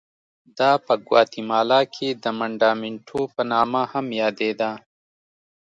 دا په ګواتیمالا کې د منډامینټو په نامه هم یادېده.